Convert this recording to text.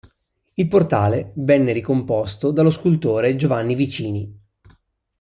Il portale venne ricomposto dallo scultore Giovanni Vicini.